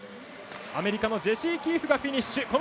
アメリカのジェシー・キーフがフィニッシュ。